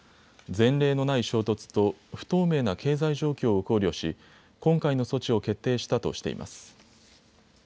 前例のない衝突と不透明な経済状況を考慮し今回の措置を決定したとしています。